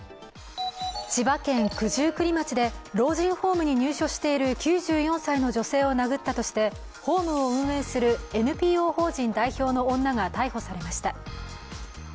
千葉県九十九里町で老人ホームに入所している９４歳の女性を殴ったとしてホームを運営するＮＰＯ法人代表の女が逮捕さました。